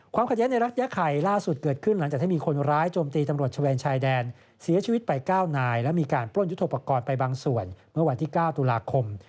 ขัดแย้งในรัฐยาไข่ล่าสุดเกิดขึ้นหลังจากที่มีคนร้ายโจมตีตำรวจชะเวนชายแดนเสียชีวิตไป๙นายและมีการปล้นยุทธโปรกรณ์ไปบางส่วนเมื่อวันที่๙ตุลาคม